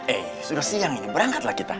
eh sudah siang ini berangkatlah kita